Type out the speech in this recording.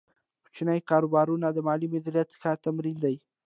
کوچني کاروبارونه د مالي مدیریت ښه تمرین دی۔